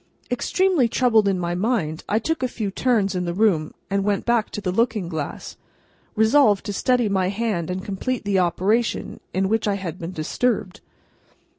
Extremely troubled in my mind, I took a few turns in the room, and went back to the looking glass, resolved to steady my hand and complete the operation in which I had been disturbed.